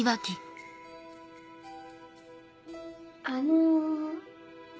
あの。